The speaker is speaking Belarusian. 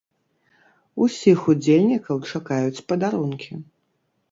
Усіх удзельнікаў чакаюць падарункі.